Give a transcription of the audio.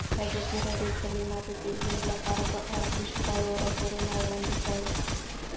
ازادي راډیو د تعلیمات د نجونو لپاره په اړه د شخړو راپورونه وړاندې کړي.